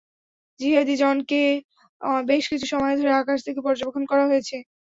জিহাদি জনকে বেশ কিছু সময় ধরে আকাশ থেকে পর্যবেক্ষণ করা হয়েছে।